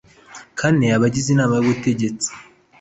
kane abagize inama y ubutegetsi